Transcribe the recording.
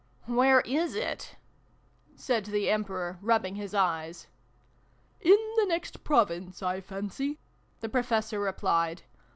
" Where is it ?" said the Emperor, rubbing his eyes. "In the next Province, I fancy," the Pro fessor replied.